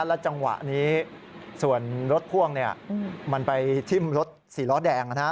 และจังหวะนี้ส่วนรถพ่วงเนี่ยมันไปทิ้มรถสี่ล้อแดงนะฮะ